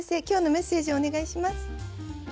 今日のメッセージお願いします。